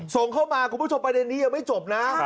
ส่งเข้ามาคุณผู้ชมประเด็นนี้ยังไม่จบนะ